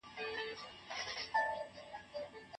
دغه ځواک له ګڼو توکمونو جوړ وو او د ورورۍ احساس یې درلود.